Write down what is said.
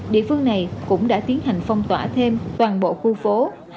địa phương này cũng đã tiến hành phong tỏa thêm toàn bộ khu phố hai ba bốn năm sáu